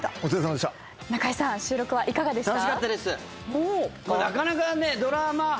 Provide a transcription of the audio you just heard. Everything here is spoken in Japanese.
なかなかドラマ。